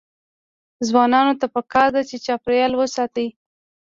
ځوانانو ته پکار ده چې، چاپیریال وساتي.